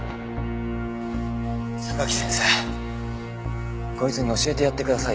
榊先生こいつに教えてやってくださいよ。